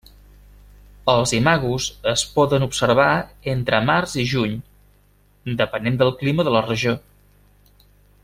Els imagos es poden observar entre març i juny, depenent del clima de la regió.